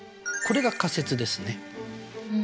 これが仮説ですね。